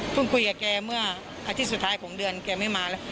คุยกับแกเมื่ออาทิตย์สุดท้ายของเดือนแกไม่มาแล้ว